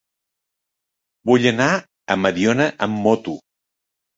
Vull anar a Mediona amb moto.